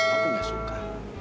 aku gak suka